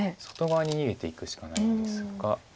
外側に逃げていくしかないですが。